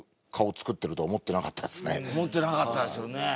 思ってなかったですよね。